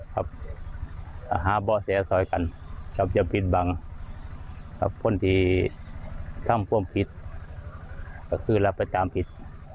ครับจะผิดบังครับคนที่ทำพ่วงผิดก็คือรับประจำผิด